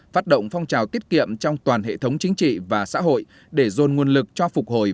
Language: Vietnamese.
phát động phong trào tiết kiệm trong toàn hệ thống chính trị và xã hội để dồn nguồn lực cho phục hồi